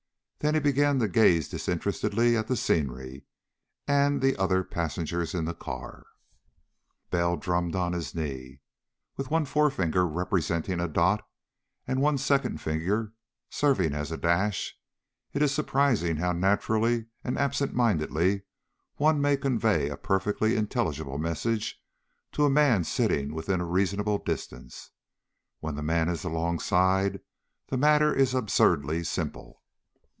Then he began to gaze disinterestedly at the scenery and the other passengers in the car. Bell drummed on his knee. With one's forefinger representing a dot, and one's second finger serving as a dash, it is surprising how naturally and absentmindedly one may convey a perfectly intelligible message to a man sitting within a reasonable distance. When the man is alongside, the matter is absurdly simple.